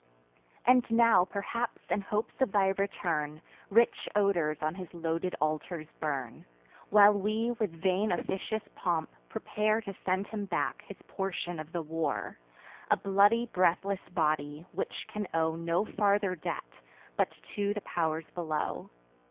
And now perhaps, in hopes of thy return, Rich odors on his loaded altars burn, While we, with vain officious pomp, prepare To send him back his portion of the war, A bloody breathless body, which can owe No farther debt, but to the pow'rs below.